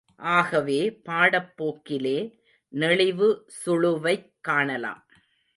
ஆகவே பாடப் போக்கிலே, நெளிவு சுளுவைக் காணலாம்.